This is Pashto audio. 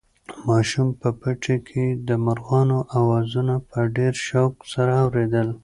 ماشوم په پټي کې د مرغانو اوازونه په ډېر شوق سره اورېدل.